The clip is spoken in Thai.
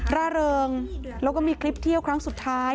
ร่าเริงแล้วก็มีคลิปเที่ยวครั้งสุดท้าย